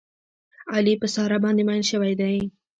علي په ساره باندې مین شوی دی.